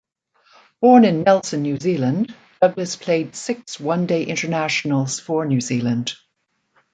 Born in Nelson, New Zealand, Douglas played six One Day Internationals for New Zealand.